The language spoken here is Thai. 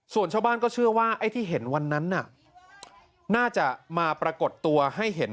ส่วนชาวบ้านก็เชื่อว่าไอ้ที่เห็นวันนั้นน่ะน่าจะมาปรากฏตัวให้เห็น